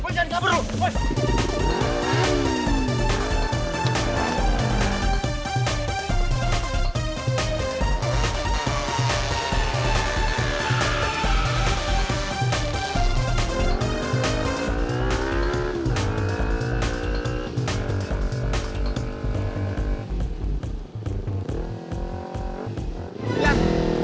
boy jangan kabur lu